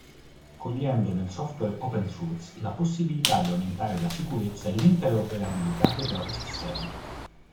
Cogliendo nel software open source la possibilità di aumentare la sicurezza e l'interoperabilità dei propri sistemi.